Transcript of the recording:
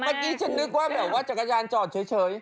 บางทีฉันนึกว่าแบบว่าจักรยานจอดเฉย